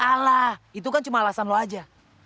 salah itu kan cuma alasan lo aja